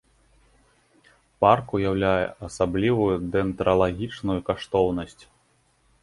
Парк уяўляе асаблівую дэндралагічную каштоўнасць.